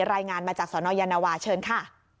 รายงานมาจากสนยานวาเชิญค่ะ